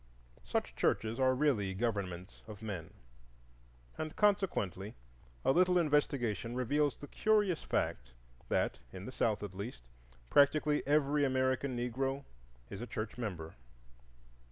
Such churches are really governments of men, and consequently a little investigation reveals the curious fact that, in the South, at least, practically every American Negro is a church member.